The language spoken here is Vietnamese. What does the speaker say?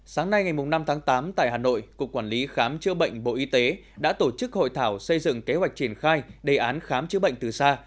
sáng nay ngày năm tháng tám tại hà nội cục quản lý khám chữa bệnh bộ y tế đã tổ chức hội thảo xây dựng kế hoạch triển khai đề án khám chữa bệnh từ xa